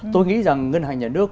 tôi nghĩ rằng ngân hàng nhà nước